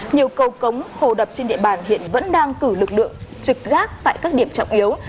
nhiều cầu cống hồ đập trên địa bàn hiện vẫn đang cử lực lượng trực gác tại các điểm trọng yếu